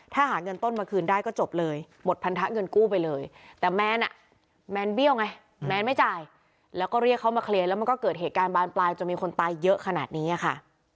ถ้าหาเงินต้นมาคืนได้ก็จบเลยหมดพันธะเงินกู้ไปเลยแต่แมนอ่ะแมนเบี้ยวไงแมนไม่จ่ายแล้วก็เรียกเขามาเคลียร์แล้วมันก็เกิดเหตุการณ์บานปลายจนมีคนตายเยอะขนาดนี้ค่ะ